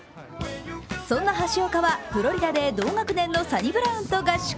そんな橋岡はフロリダで同学年のサニブラウンと合宿。